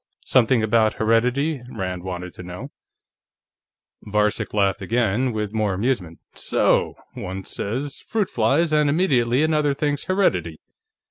"Something about heredity?" Rand wanted to know. Varcek laughed again, with more amusement. "So! One says: 'Fruit flies,' and immediately another thinks: 'Heredity.'